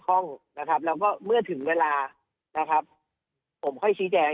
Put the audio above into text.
ข้องนะครับแล้วก็เมื่อถึงเวลานะครับผมค่อยชี้แจง